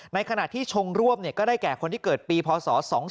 ในขณะที่ชงร่วมก็ได้แก่คนที่เกิดปีพศ๒๔๙๗๒๕๐๓๒๕๐๖๒๕๐๙๒๕๑๕